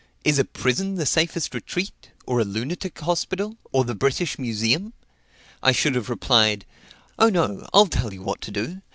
Is a prison the safest retreat? Or a lunatic hospital? Or the British Museum?" I should have replied, "Oh, no; I'll tell you what to do.